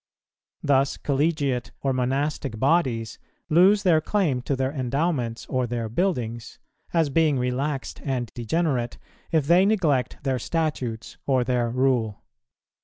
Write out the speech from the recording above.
Thus collegiate or monastic bodies lose their claim to their endowments or their buildings, as being relaxed and degenerate, if they neglect their statutes or their Rule.